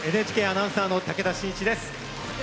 ＮＨＫアナウンサーの武田真一です。